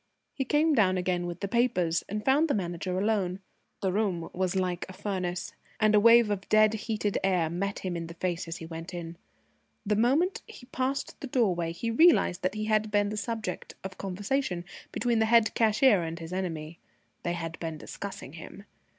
He came down again with the papers, and found the Manager alone. The room was like a furnace, and a wave of dead heated air met him in the face as he went in. The moment he passed the doorway he realised that he had been the subject of conversation between the head cashier and his enemy. They had been discussing him.